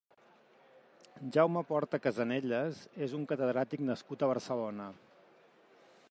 Jaume Porta Casanellas és un catedràtic nascut a Barcelona.